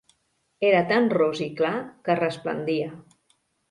Era tan ros i clar que resplendia.